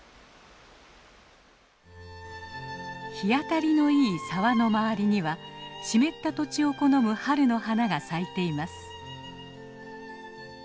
日当たりのいい沢の周りには湿った土地を好む春の花が咲いています。